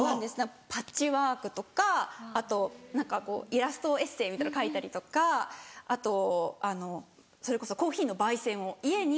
パッチワークとかあと何かこうイラストエッセーみたいなのを描いたりとかあとそれこそコーヒーの焙煎を家に。